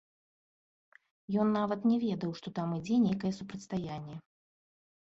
Ён нават не ведаў, што там ідзе нейкае супрацьстаянне.